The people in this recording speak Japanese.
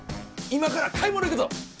今から買い物いくぞ。